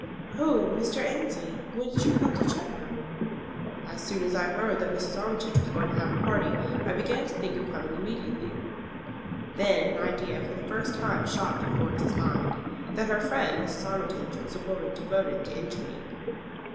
"Oh, Mr. Annesley, when did you come to Cheltenham?" "As soon as I heard that Mrs. Armitage was going to have a party I began to think of coming immediately." Then an idea for the first time shot through Florence's mind that her friend Mrs. Armitage was a woman devoted to intrigue.